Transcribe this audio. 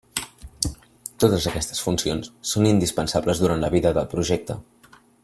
Totes aquestes funcions són indispensables durant la vida del projecte.